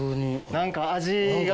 何か味が。